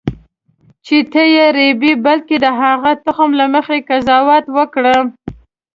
چې ته یې رېبې بلکې د هغه تخم له مخې قضاوت وکړه.